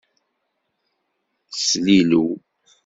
Slilew.